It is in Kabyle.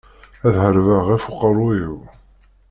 Ad ḥarbeɣ ɣef uqerru-iw.